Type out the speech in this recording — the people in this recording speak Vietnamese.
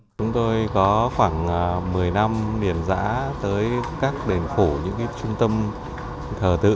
chúng tôi có khoảng một mươi năm niền giã tới các đền phủ những trung tâm thờ tự